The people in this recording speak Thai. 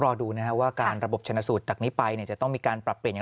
รอดูนะว่าการระบบชนัสูตรจากนี้ไปจะต้องมีการปรับเปลี่ยน